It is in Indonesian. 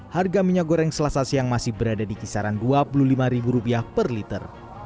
harga minyak goreng selasa siang masih berada di kisaran rp dua puluh lima per liter